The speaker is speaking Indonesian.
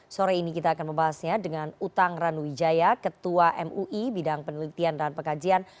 sore ini kita akan membahasnya dengan utang ranuwijaya ketua mui bidang penelitian dan pekajian